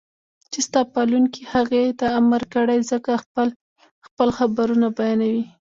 چې ستا پالونکي هغې ته امر کړی زکه خپل خپل خبرونه بيانوي